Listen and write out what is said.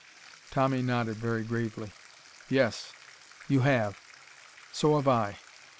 Tommy nodded very gravely. "Yes. You have. So have I.